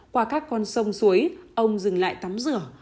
qua các con sông suối ông dừng lại tắm rửa